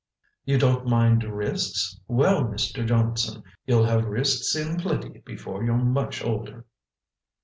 "You don't mind risks? Well, Mr. Johnson, you'll have risks in plenty before you're much older!"